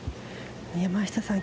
山下さん